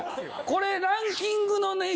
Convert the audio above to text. これランキングのね